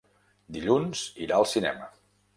Dilluns irà al cinema.